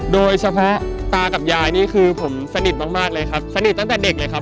โดยเฉพาะตากับยายนี่คือผมสนิทมากเลยครับสนิทตั้งแต่เด็กเลยครับ